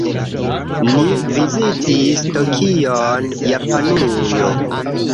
Ni vizitis Tokion, Japanujo.